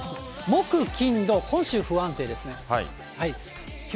木、金、土、今週、不安定です。